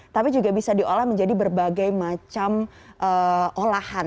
tapi juga bisa diolah menjadi berbagai macam olahan